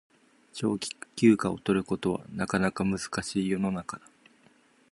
長期休暇を取ることはなかなか難しい世の中だ